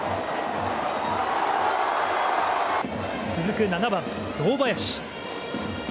続く７番、堂林。